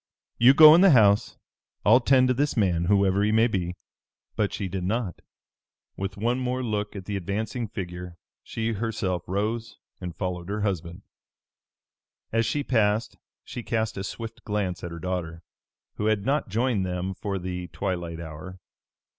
You go in the house. I'll tend to this man, whoever he may be." But she did not. With one more look at the advancing figure, she herself rose and followed her husband. As she passed she cast a swift glance at her daughter, who had not joined them for the twilight hour.